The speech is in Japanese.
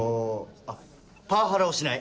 あっパワハラをしない。